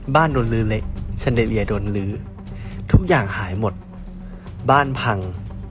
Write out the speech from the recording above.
โดนลื้อเละซันเดเลียโดนลื้อทุกอย่างหายหมดบ้านพัง